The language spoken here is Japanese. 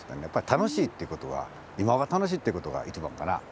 やっぱり楽しいってことは、今が楽しいということがいちばんかな。